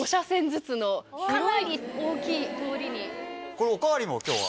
これおかわりも今日は。